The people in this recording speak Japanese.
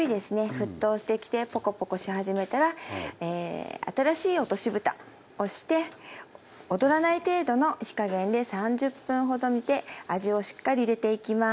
沸騰してきてポコポコし始めたら新しい落としぶたをして躍らない程度の火加減で３０分ほど煮て味をしっかり入れていきます。